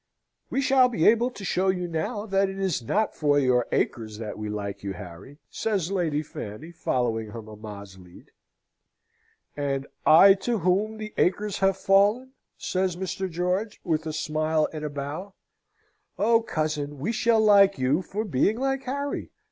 "We shall be able to show now that it is not for your acres that we like you, Harry!" says Lady Fanny, following her mamma's lead. "And I to whom the acres have fallen?" says Mr. George, with a smile and a bow. "Oh, cousin, we shall like you for being like Harry!"